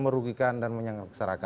merugikan dan menyeserahkan masyarakat